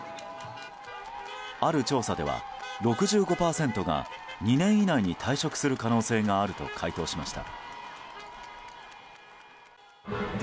ある調査では６５％が２年以内に退職する可能性があると回答しました。